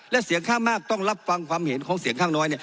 และเสียงข้างมากต้องรับฟังความเห็นของเสียงข้างน้อย